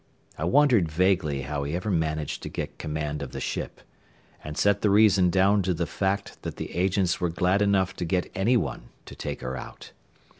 I wondered vaguely how he ever managed to get command of the ship, and set the reason down to the fact that the agents were glad enough to get any one to take her out.